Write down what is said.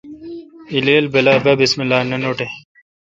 الیل بلا با بسم اللہ۔ نہ نوٹیں